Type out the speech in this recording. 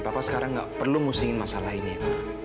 papa sekarang gak perlu musingin masalah ini pak